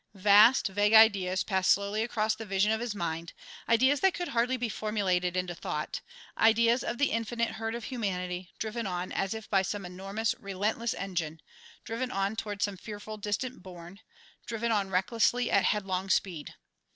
Vast, vague ideas passed slowly across the vision of his mind, ideas that could hardly be formulated into thought, ideas of the infinite herd of humanity, driven on as if by some enormous, relentless engine, driven on toward some fearful distant bourne, driven on recklessly at headlong speed.